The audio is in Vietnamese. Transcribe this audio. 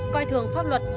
coi thường pháp luật